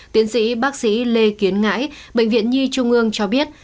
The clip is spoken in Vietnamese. tiến sĩ bác sĩ lê kiến ngãi bệnh viện nhi trung ương cho biết